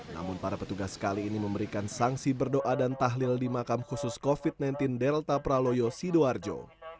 namun para petugas kali ini memberikan sanksi berdoa dan tahlil di makam khusus covid sembilan belas delta praloyo sidoarjo